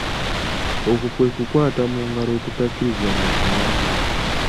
Okwo kwe kukwata mu ngalo okutakkirizibwa mu buwangwa.